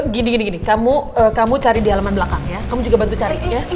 gini gini kamu cari di halaman belakang ya kamu juga bantu cari ya